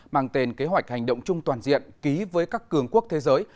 mang tên kế hoạch hành động chung toàn diện ký với các cường quốc thế giới